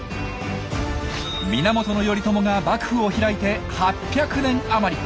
源頼朝が幕府を開いて８００年余り。